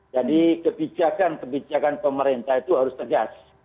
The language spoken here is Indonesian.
jadi kebijakan kebijakan pemerintah itu harus tegas